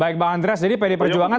baik bang andreas jadi pd perjuangan